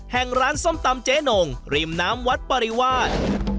แห่งร้านส้มตำเจ๊นงริมน้ำวัดปริวาส